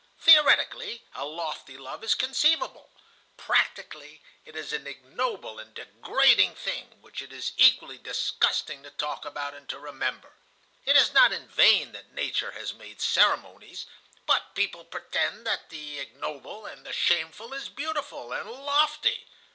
Theoretically a lofty love is conceivable; practically it is an ignoble and degrading thing, which it is equally disgusting to talk about and to remember. It is not in vain that nature has made ceremonies, but people pretend that the ignoble and the shameful is beautiful and lofty.